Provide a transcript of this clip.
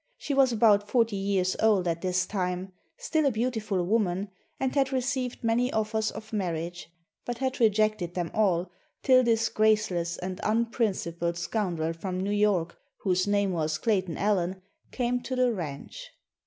She was about 40 years old at this time, still a beautiful woman and had received many offers of marriage, but had rejected them all till this graceless and unprincipled scoundrel from New York, whose name was Clayton Allen, came to the ranch.